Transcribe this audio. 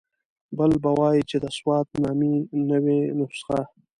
بل بیا وایي چې د سوات نامې نوې نسخه.